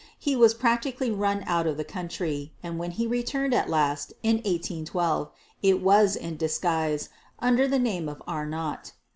He was practically run out of the country, and when he returned at last in 1812, it was in disguise, under the name of Arnat.